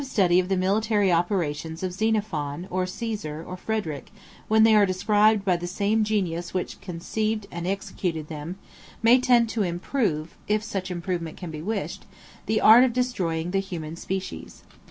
The attentive study of the military operations of Xenophon, or Caesar, or Frederic, when they are described by the same genius which conceived and executed them, may tend to improve (if such improvement can be wished) the art of destroying the human species.